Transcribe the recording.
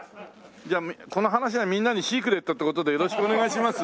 じゃあこの話はみんなにシークレットって事でよろしくお願いします。